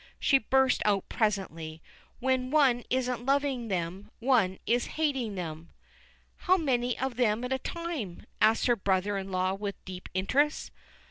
She burst out presently. "When one isn't loving them, one is hating them." "How many of them at a time?" asks her brother in law with deep interest.